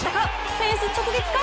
フェンス直撃か？